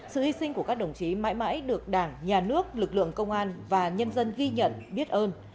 sự hy sinh của các đồng chí mãi mãi được đảng nhà nước lực lượng công an và nhân dân ghi nhận biết ơn